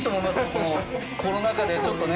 このコロナ禍でちょっとね